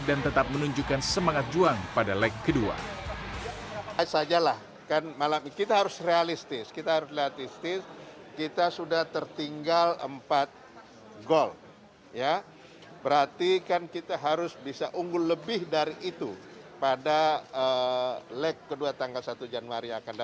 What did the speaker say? dan tetap menunjukkan semangat juang pada lag kedua